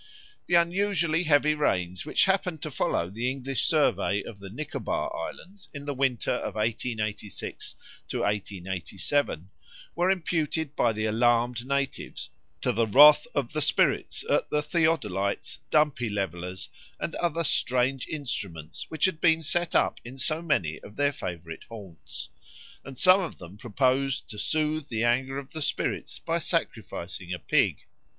The unusually heavy rains which happened to follow the English survey of the Nicobar Islands in the winter of 1886 1887 were imputed by the alarmed natives to the wrath of the spirits at the theodolites, dumpy levellers, and other strange instruments which had been set up in so many of their favourite haunts; and some of them proposed to soothe the anger of the spirits by sacrificing a pig.